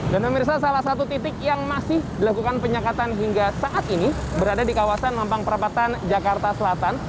dan memirsa salah satu titik yang masih dilakukan penyekatan hingga saat ini berada di kawasan mampang perabatan jakarta selatan